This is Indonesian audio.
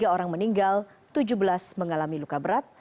tiga orang meninggal tujuh belas mengalami luka berat